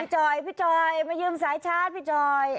จอยพี่จอยมายืมสายชาร์จพี่จอย